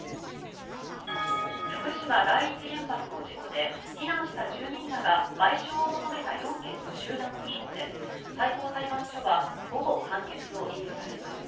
福島第一原発の事故で避難した住民らが賠償を求めた４件の集団訴訟で最高裁判所は午後、判決を言い渡します。